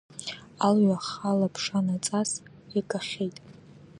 Алҩа хала аԥша наҵас иагахьеит.